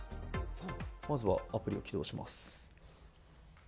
まずはアプリを起動します。